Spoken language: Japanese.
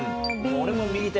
俺も右手。